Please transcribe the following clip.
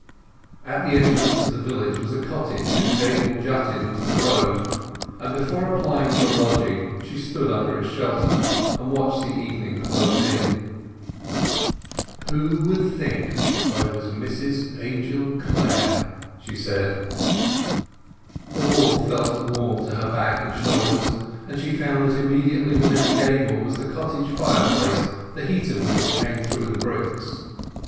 At the entrance to the village was a cottage whose gable jutted into the road, and before applying for a lodging she stood under its shelter, and watched the evening close in. "Who would think I was Mrs Angel Clare!" she said. The wall felt warm to her back and shoulders, and she found that immediately within the gable was the cottage fireplace, the heat of which came through the bricks.